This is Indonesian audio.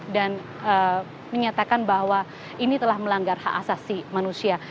dan menyatakan bahwa ini telah melanggar hak asasi manusia